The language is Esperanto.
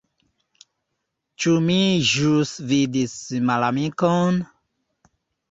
Ĉu mi ĵus vidis malamikon?